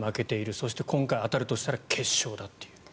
そして今回当たるとしたら決勝だという。